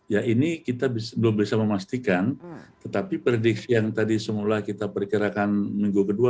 ya ini kita belum bisa memastikan tetapi prediksi yang tadi semula kita perkirakan minggu kedua